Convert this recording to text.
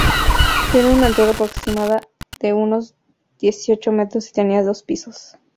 Tiene una altura aproximada de unos dieciocho metros y tenía dos pisos.